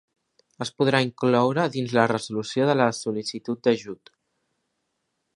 Es podrà incloure dins la resolució de la sol·licitud d'ajut.